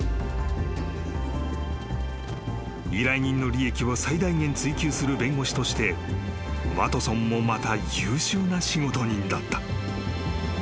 ［依頼人の利益を最大限追求する弁護士としてワトソンもまた優秀な仕事人だった］